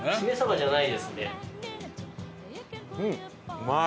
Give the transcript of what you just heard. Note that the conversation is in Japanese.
うまい！